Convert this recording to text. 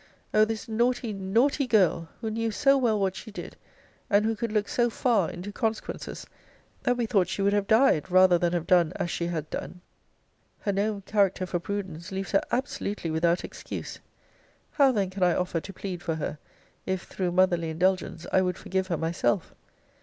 O this naughty, naughty girl, who knew so well what she did; and who could look so far into consequences, that we thought she would have died rather than have done as she had done! Her known character for prudence leaves her absolutely without excuse. How then can I offer to plead for her, if, through motherly indulgence, I would forgive her myself?